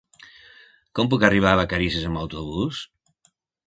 Com puc arribar a Vacarisses amb autobús?